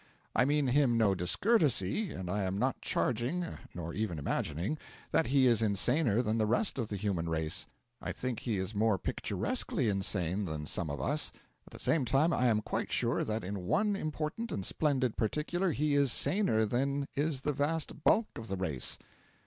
I mean him no discourtesy, and I am not charging nor even imagining that he is insaner than the rest of the human race. I think he is more picturesquely insane than some of us. At the same time, I am quite sure that in one important and splendid particular he is saner than is the vast bulk of the race.